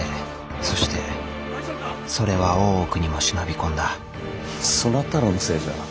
そしてそれは大奥にも忍び込んだそなたらのせいじゃ！